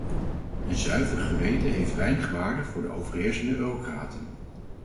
Een zuiver geweten heeft weinig waarde voor de overheersende eurocraten.